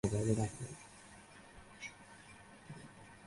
ওয়া বাহাদুর, গুরুকী ফতে! ক্রমে বিস্তারের চেষ্টা কর।